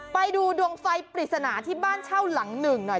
ไปดูดวงไฟปริศนาที่บ้านเช่าหลังหนึ่งหน่อย